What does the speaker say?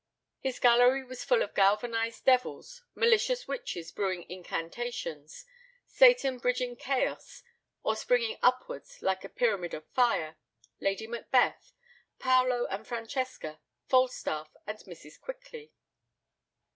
His gallery was full of galvanised devils, malicious witches brewing incantations, Satan bridging chaos or springing upwards like a pyramid of fire, Lady Macbeth, Paolo and Francesca, Falstaff and Mrs. Quickly.